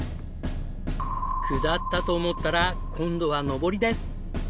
下ったと思ったら今度は上りです。